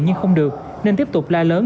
nhưng không được nên tiếp tục la lớn